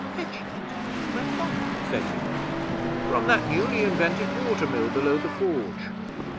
'Fetch it? Where from?' said Una. 'From that newly invented water mill below the Forge.'